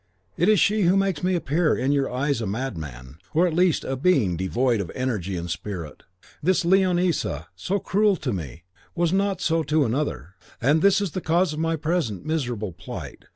It is she who makes me appear in your eyes a madman, or at least a being devoid of energy and spirit. This Leonisa, so cruel to me, was not so to another, and this is the cause of my present miserable plight.